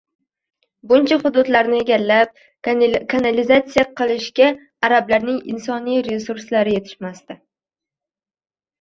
Buncha hududlarni egallab, kolonizatsiya qilishga arablarning insoniy resurslari yetishmasdi.